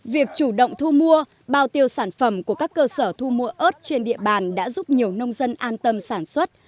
việc chủ động thu mua bao tiêu sản phẩm của các cơ sở thu mua ớt trên địa bàn đã giúp nhiều nông dân an tâm sản xuất